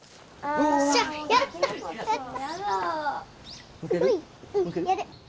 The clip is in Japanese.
うんやる